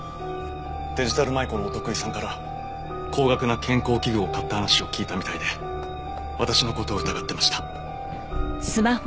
デジタル舞子のお得意さんから高額な健康器具を買った話を聞いたみたいで私の事を疑ってました。